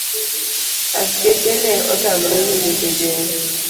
askeche ne otamre winjo jojela.